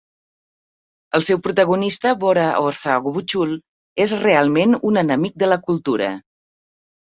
El seu protagonista Bora Horza Gobuchul és realment un enemic de la cultura.